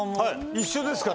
一緒ですから。